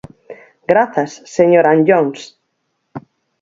Grazas, señor Anllóns.